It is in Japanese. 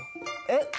えっ。